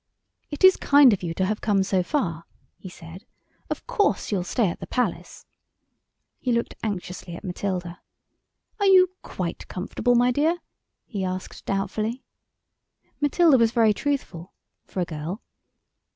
"It is kind of you to have come so far," he said. "Of course you'll stay at the Palace?" He looked anxiously at Matilda. "Are you quite comfortable, my dear?" he asked doubtfully. Matilda was very truthful—for a girl.